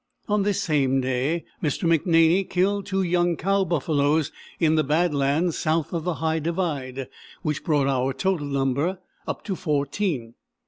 On this same day Mr. McNaney killed two young cow buffaloes in the bad lands south of the High Divide, which brought our total number up to fourteen.